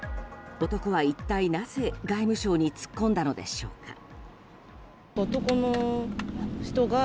男は一体、なぜ外務省に突っ込んだのでしょうか。